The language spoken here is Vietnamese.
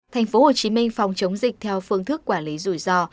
tp hcm phòng chống dịch theo phương thức quản lý rủi rò